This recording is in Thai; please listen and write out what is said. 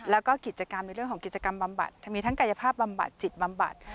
แล้วก็กิจกรรมในเรื่องของกิจกรรมบำบัดมีทั้งกายภาพบำบัดจิตบำบัด